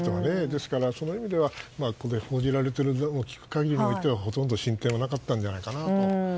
ですから、そういう意味ではここで報じられているものを聞く限りではほとんど進展はなかったんじゃないかと。